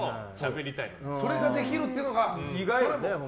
それができるっていうのが。